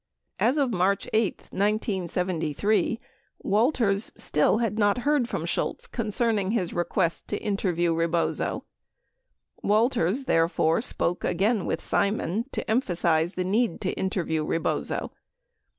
1 As of March 8, 1973, Walters still had not heard from Shultz con cerning his request to interview Rebozo. Walters, therefore, spoke again with Simon to emphasize the need to interview Rebozo.